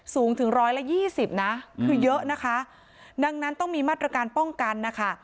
สูงถึงร้อยละยี่สิบนะคือเยอะนะคะดังนั้นต้องมีมาตรการป้องกันนะคะ